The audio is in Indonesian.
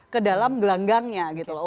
kedalam gelanggangnya gitu loh